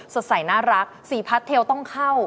สดใสน่ารักสีพัดเทลต้องเข้า